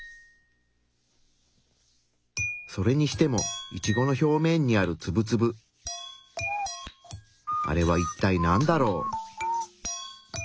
それにしてもイチゴの表面にあるツブツブあれはいったいなんだろう？